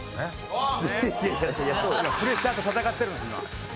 プレッシャーと戦ってるんです今。